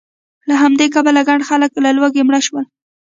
له همدې کبله ګڼ خلک له لوږې مړه شول